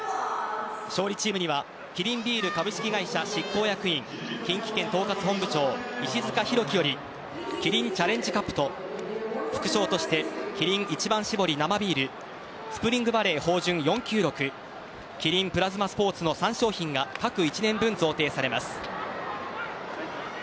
勝利チームにはキリンビール株式会社執行役員近畿圏統括本部長、石塚浩樹よりキリンチャレンジカップと副賞としてキリン一番搾り生ビールスプリングバレー豊潤４９６キリンプラズマスポーツの３商品が各１年分、贈呈されます。